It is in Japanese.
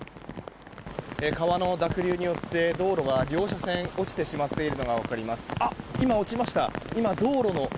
川の濁流によって道路が両車線落ちてしまっているのが分かります。